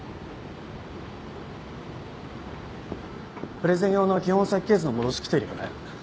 プレゼン用の基本設計図の戻し来てるよね。